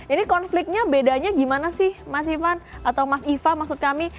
ini konfliknya bedanya gimana sih mas ivan atau mas iva maksud kami